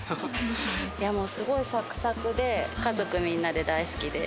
もうすごいさくさくで、家族みんなで大好きです。